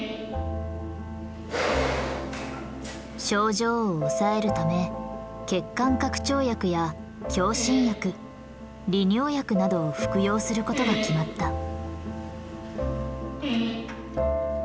症状を抑えるため血管拡張薬や強心薬利尿薬などを服用することが決まった。